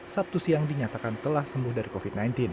sabtu siang dinyatakan telah sembuh dari covid sembilan belas